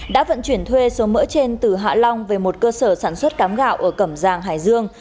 đã vận chuyển thuê số mỡ trên từ hạ long về một cơ sở sản xuất cám gạo ở cẩm giang hải dương